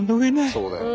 そうだよね。